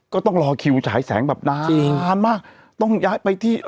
ก็ต้องรอคิวฉายแสงแบบนานนานมากต้องย้ายไปที่